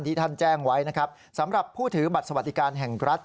ท่านแจ้งไว้นะครับสำหรับผู้ถือบัตรสวัสดิการแห่งรัฐ